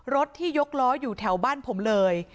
รถที่ยกล้ออยู่แถวบ้านผมเลย